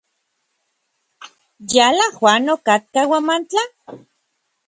¿Yala Juan okatka Huamantla?